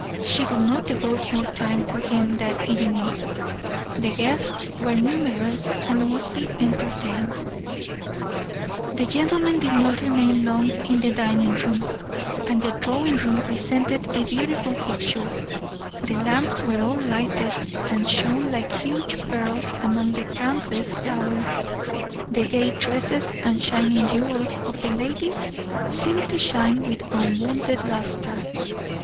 She would not devote more time to him that evening; the guests were numerous, and must be entertained. The gentlemen did not remain long in the dining room, and the drawing room presented a beautiful picture; the lamps were all lighted and shone like huge pearls among the countless flowers; the gay dresses and shining jewels of the ladies seemed to shine with unwonted luster.